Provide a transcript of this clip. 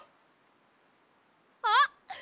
あっ！